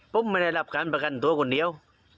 ผมไม่ได้รับการประกันตัวคนเดียว